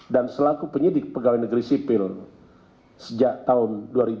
dan selaku penyidik pegawai negeri sipil sejak tahun dua ribu lima